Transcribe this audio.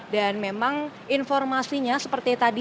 dan memang informasinya seperti tadi